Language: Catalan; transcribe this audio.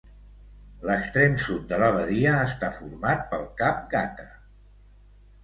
L'extrem sud de la badia està format pel cap Gata.